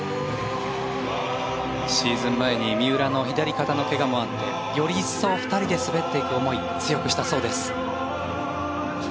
シーズン前の三浦の左肩のけがもあってより一層２人で滑っていく思いを強くしたそうです。